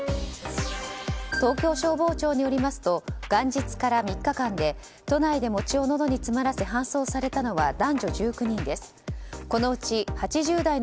東京消防庁によりますと元日から３日間で都内で餅をのどに詰まらせ搬送されたのは